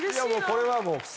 これはもう。